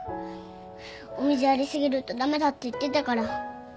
お水やり過ぎると駄目だって言ってたから。